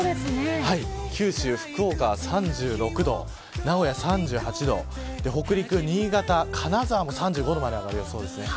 九州、福岡３６度名古屋３８度北陸、新潟、金沢も３５度まで上がる予想です。